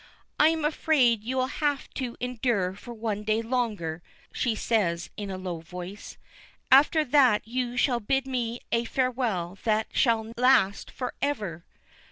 "I'm afraid you will have to endure for one day longer," she says in a low voice; "after that you shall bid me a farewell that shall last forever!"